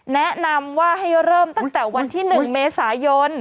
แนะนำว่าให้เริ่มตั้งแต่วันที่๑เมษายน